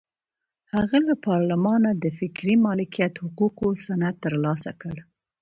هغه له پارلمانه د فکري مالکیت حقوقو سند ترلاسه کړ.